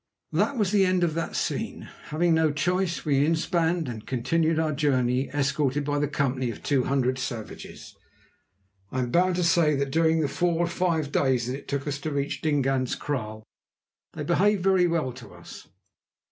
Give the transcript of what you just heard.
This was the end of that scene. Having no choice we inspanned and continued our journey, escorted by the company of two hundred savages. I am bound to say that during the four or five days that it took us to reach Dingaan's kraal they behaved very well to us.